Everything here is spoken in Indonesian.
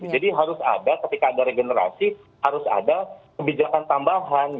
jadi harus ada ketika ada regenerasi harus ada kebijakan tambahan